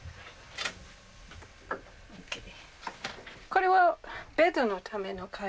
これはベッドのための蚊帳。